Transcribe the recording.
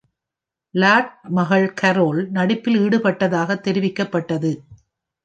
Lot மகள் Carol நடிப்பில் ஈடுபட்டதாக தெரிவிக்கப்பட்டது.